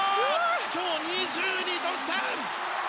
今日、２２得点！